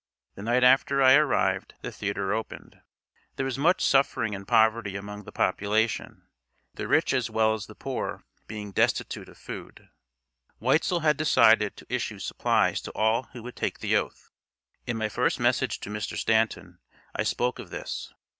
The night after I arrived the theater opened. There was much suffering and poverty among the population, the rich as well as the poor being destitute of food. Weitzel had decided to issue supplies to all who would take the oath. In my first message to Mr. Stanton I spoke of this.